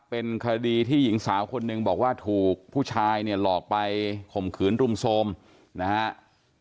เป็นคดีที่หญิงสาวคนหนึ่งบอกว่าถูกผู้ชายเนี่ยหลอกไปข่มขืนรุมโทรมนะครับ